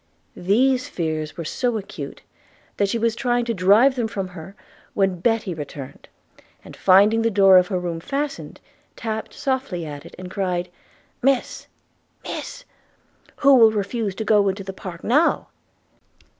These fears were so acute, that she was trying to drive them from her, when Betty returned, and, finding the door of her room fastened, tapped softly at it, and cried, 'Miss, miss! who will refuse to go into the park now?'